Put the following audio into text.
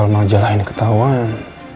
kalau soal majalah ini ketahuan